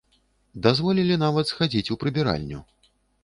Дазволілі нават схадзіць у прыбіральню.